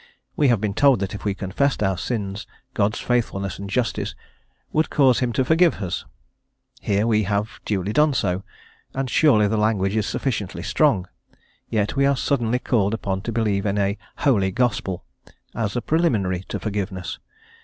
We had been told that if we confessed our sins God's faithfulness and justice would cause him to forgive us; here we have duly done so, and surely the language is sufficiently strong; we are yet suddenly called upon to believe a "holy Gospel" as a preliminary to forgiveness.